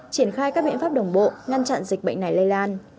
triển khai các biện pháp đồng bộ ngăn chặn dịch bệnh này lây lan